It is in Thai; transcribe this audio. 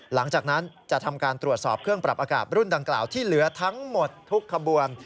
หลังจากนั้นจะทำการตรวจสอบเครื่องปรับอากาศรุ่นดังกล่าวที่เหลือทั้งหมดทุกขบวน